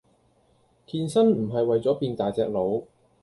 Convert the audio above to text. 健身唔係為左變大隻佬